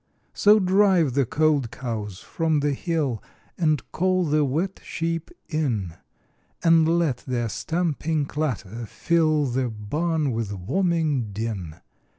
So drive the cold cows from the hill, And call the wet sheep in; And let their stamping clatter fill The barn with warming din.